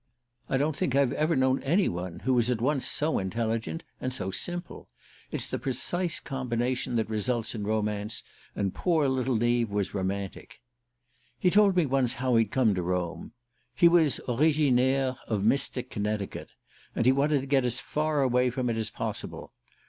I don't think I've ever known any one who was at once so intelligent and so simple. It's the precise combination that results in romance; and poor little Neave was romantic. He told me once how he'd come to Rome. He was originaire of Mystic, Connecticut and he wanted to get as far away from it as possible.